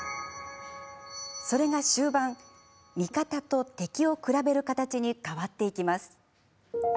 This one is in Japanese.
それが終盤、味方と敵を比べる形に変わっていきます。